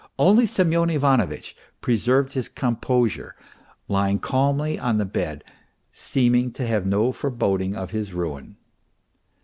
Only Semyon Ivanovitch preserved his composure, lying calmly on the bed and seeming to have no foreboding of his ruin.